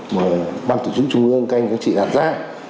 mà ban tổ chức trung ương các anh các chị đặt ra